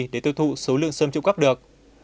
để tiêu thụ số lượng sâm trộm cắp được